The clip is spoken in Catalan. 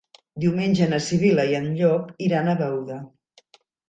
Diumenge na Sibil·la i en Llop iran a Beuda.